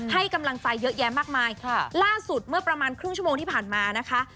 ให้กำลังใจเยอะแยะมากมายค่ะล่าสุดเมื่อประมาณครึ่งชั่วโมงที่ผ่านมานะคะ